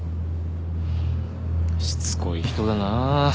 しつこい人だな。